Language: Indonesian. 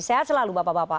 sehat selalu bapak bapak